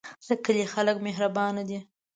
د کلی خلک مهربانه دي